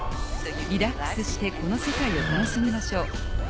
リラックスしてこの世界を楽しみましょう。